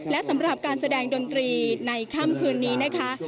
และสำหรับการแสดงดนตรีในค่ำคืนนี้นะคะ